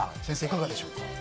先生、いかがでしょうか？